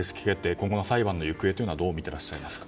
今後の裁判の行方をどう見ていますか？